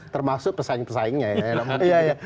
termasuk pesaing pesaingnya ya